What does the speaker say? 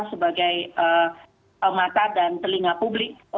sebagai mata dan telinga publik